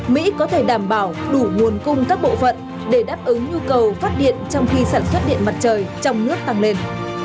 mỹ có thể đảm bảo đủ nguồn cung các bộ phận để đáp ứng nhu cầu phát điện trong khi sản xuất điện mặt trời trong nước tăng lên